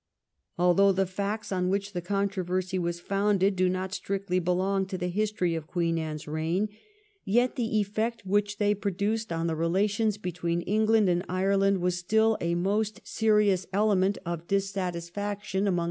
Although the facts on which the controversy was founded do not strictly belong to the history of Queen Anne's reign, yet the effect which they produced on the relations between England and Ireland was still a most serious element of dissatisfaction among 1691 THE TJREATY OF LIMERICK.